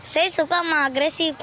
saya suka sama agresif